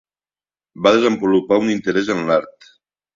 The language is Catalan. Va desenvolupar un interès en l'art.